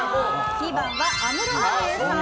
２番は安室奈美恵さん。